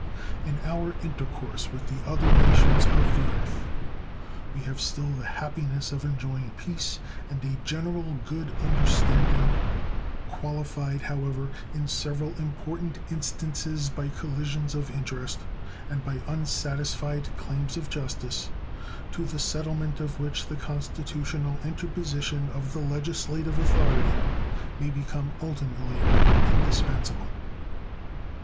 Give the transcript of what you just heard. In our intercourse with the other nations of the earth we have still the happiness of enjoying peace and a general good understanding, qualified, however, in several important instances by collisions of interest and by unsatisfied claims of justice, to the settlement of which the constitutional interposition of the legislative authority may become ultimately indispensable.